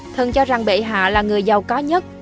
thân cho rằng bệ hạ là người giàu có nhất